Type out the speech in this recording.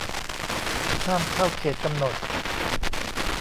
ห้ามเข้าเขตกำหนด